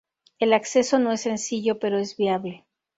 El acceso no es sencillo, pero es viable.